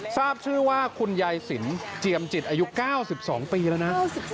ทราบชื่อว่าคุณยายสินเจียมจิตอายุ๙๒ปีแล้วนะ